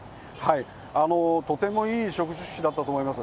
とてもいい植樹式だったと思います。